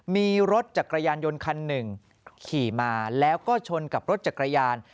มีรถจักรยานยนต์คันหนึ่งขี่มาแล้วก็ชนกับรถจักรยาน